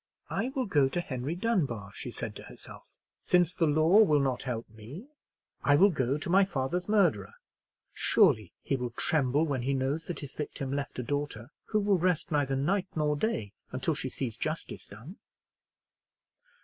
"I will go to Henry Dunbar," she said to herself, "since the law will not help me; I will go to my father's murderer. Surely he will tremble when he knows that his victim left a daughter who will rest neither night nor day until she sees justice done."